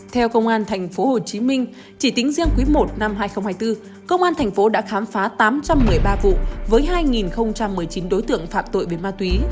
theo công an tp hcm chỉ tính riêng quý i năm hai nghìn hai mươi bốn công an tp hcm đã khám phá tám trăm một mươi ba vụ với hai một mươi chín đối tượng phạm tội về ma túy